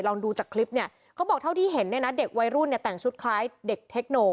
ลองดูจากคลิปเนี่ยเขาบอกเท่าที่เห็นเนี่ยนะเด็กวัยรุ่นเนี่ยแต่งชุดคล้ายเด็กเทคโน